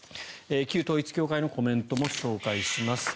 旧統一教会のコメントも紹介します。